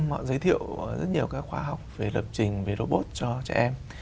họ giới thiệu rất nhiều các khoa học về lập trình về robot cho trẻ em